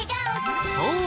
［そう。